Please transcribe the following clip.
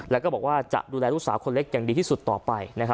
แล้วก็บอกว่าจะดูแลลูกสาวคนเล็กอย่างดีที่สุดต่อไป